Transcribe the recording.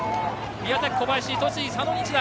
宮崎・小林、栃木・佐野日大。